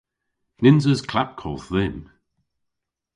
Nyns eus klapkodh dhymm.